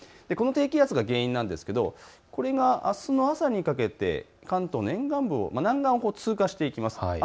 この低気圧が原因なんですけれどもこれがあすの朝にかけて関東の沿岸部を南岸を通過していきます。